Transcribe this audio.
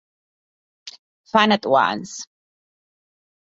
"Fun At Once!